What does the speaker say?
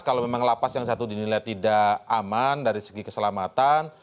kalau memang lapas yang satu dinilai tidak aman dari segi keselamatan